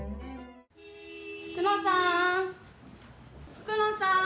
福野さーん。